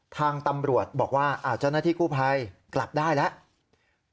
ทางตำรวจบอกว่าเจ้าหน้าที่กู้ภัยกลับได้แล้ว